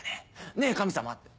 「ねぇ神様」って。